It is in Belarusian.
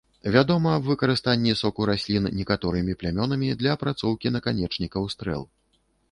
Вядома аб выкарыстанні соку раслін некаторымі плямёнамі для апрацоўкі наканечнікаў стрэл.